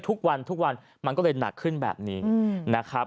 ทุกวันทุกวันมันก็เลยหนักขึ้นแบบนี้นะครับ